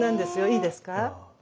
いいですか？